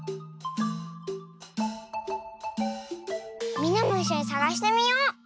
みんなもいっしょにさがしてみよう！